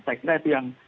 saya kira itu yang